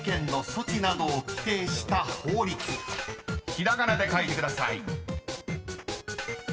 ［ひらがなで書いてください］えっ？